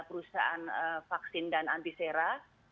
perusahaan vaksin dan antisera